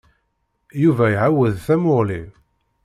Yuba iɛawed tamuɣli.